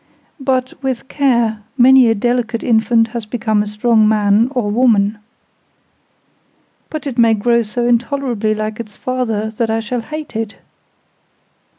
"But, with care, many a delicate infant has become a strong man or woman." "But it may grow so intolerably like its father that I shall hate it."